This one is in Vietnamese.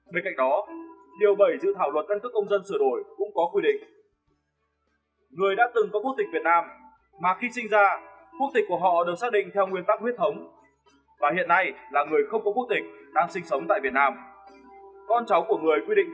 tại điều hai dự thảo luật căn cước công dân sửa đổi cộng an mở rộng đối tượng áp dụng